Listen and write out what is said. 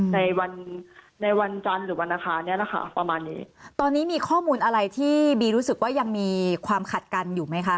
ในวันในวันจันทร์หรือวันอาคารเนี้ยนะคะประมาณนี้ตอนนี้มีข้อมูลอะไรที่บีรู้สึกว่ายังมีความขัดกันอยู่ไหมคะ